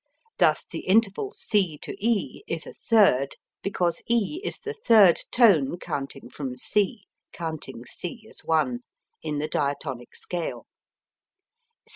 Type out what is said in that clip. Thus the interval C E is a third because E is the third tone from C (counting C as one) in the diatonic scale.